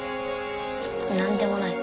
何でもない